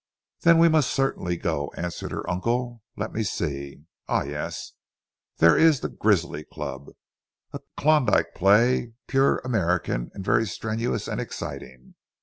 "Then we must certainly go," answered her uncle. "Let me see ah, yes! There is the 'Grizzly Cub,' a Klondyke play, pure American and very strenuous and exciting.